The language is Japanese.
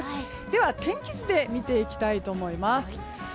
では天気図で見ていきたいと思います。